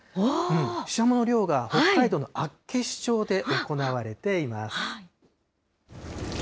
ししゃもの漁が北海道の厚岸町で行われています。